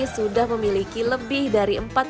sudah memiliki lebih dari